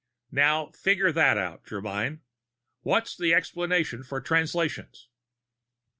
Now figure that out, Germyn. What's the explanation for Translations?"